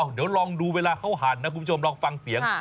เดี๋ยวลองดูเวลาเขาหั่นนะคุณผู้ชมลองฟังเสียง